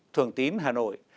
thường tín hà nội